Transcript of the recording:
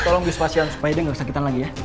tolong di spasiun supaya dia gak kesakitan lagi ya